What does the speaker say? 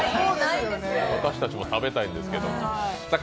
私たちも食べたいんですけど。